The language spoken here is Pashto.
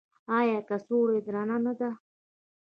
ایا کڅوړه یې درنده نه ده؟